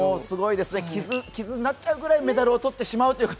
すごいですね、傷になっちゃうぐらいメダルを取ってると。